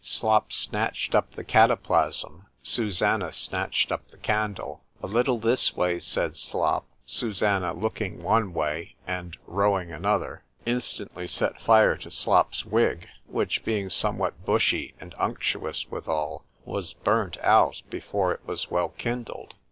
Slop snatched up the cataplasm——Susannah snatched up the candle;——A little this way, said Slop; Susannah looking one way, and rowing another, instantly set fire to Slop's wig, which being somewhat bushy and unctuous withal, was burnt out before it was well kindled.